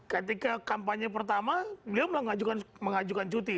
ketika kampanye pertama beliau mengajukan cuti